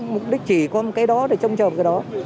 mục đích chỉ có một cái đó để trông chờ cái đó